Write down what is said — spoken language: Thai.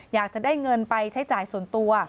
อยากจะได้เงินไปใช้จ่ายส่วนตัว